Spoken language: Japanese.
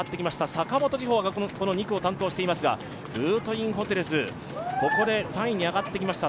坂本ちほが担当していますが、ルートインホテルズ、ここで３位に上がってきました。